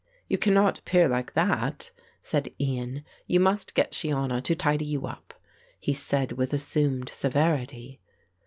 "You cannot appear like that," said Ian. "You must get Shiona to tidy you up," he said with assumed severity.